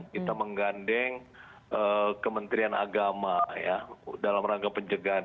kita menggandeng kementerian agama dalam rangka pencegahan